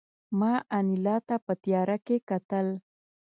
ما انیلا ته په تیاره کې کتل